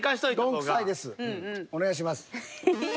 お願いします。